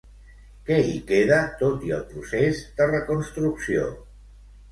Què hi queda, tot i el procés de reconstrucció?